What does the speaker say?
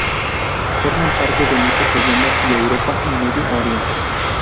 Forman parte de muchas leyendas de Europa y Medio Oriente.